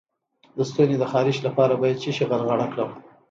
د ستوني د خارش لپاره باید څه شی غرغره کړم؟